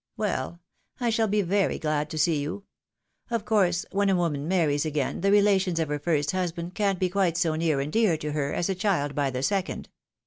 Well! I shall be very glad to see you : of course, when a woman marries again, the relations of her first husband can't be quite so near and dear to her as a child by the second.